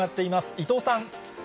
伊藤さん。